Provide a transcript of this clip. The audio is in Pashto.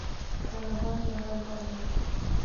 ناګهانه یو غږ واوریدل شو.